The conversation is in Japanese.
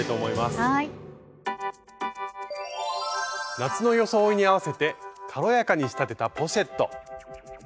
夏の装いに合わせて軽やかに仕立てたポシェット。